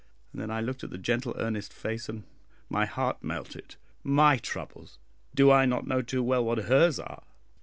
Then I looked at the gentle earnest face, and my heart melted. My troubles! Do I not know too well what hers are?